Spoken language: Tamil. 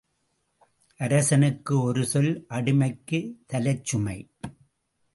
அரசனுக்கு ஒரு சொல், அடிமைக்குத் தலைச் சுமை.